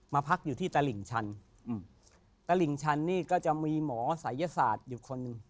พักอยู่ที่ตลิ่งชันอืมตลิ่งชันนี่ก็จะมีหมอศัยศาสตร์อยู่คนหนึ่ง